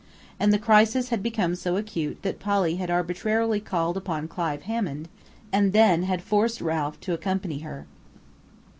And the crisis had become so acute that Polly had arbitrarily called upon Clive Hammond and then had forced Ralph to accompany her.